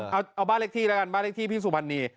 เอ้าเอาบ้านเร็กที่ละกันบ้านเร็กที่พี่สุพันนี